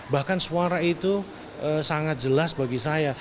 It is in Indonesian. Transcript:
bahkan suara itu sangat jelas bagi saya